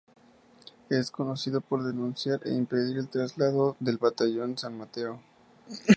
Es conocido por denunciar e impedir el traslado del Batallón San Mateo.